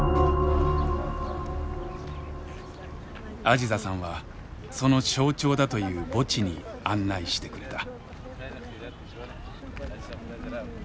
アジザさんはその象徴だという墓地に案内してくれた。